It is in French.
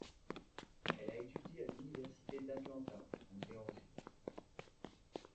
Elle a étudié à l’université d’Atlanta en Géorgie.